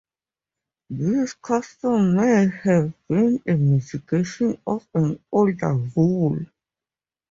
This custom may have been a mitigation of an older rule.